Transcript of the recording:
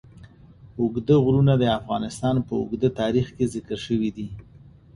اوږده غرونه د افغانستان په اوږده تاریخ کې ذکر شوی دی.